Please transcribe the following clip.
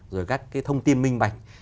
rồi các cái thông tin minh bạch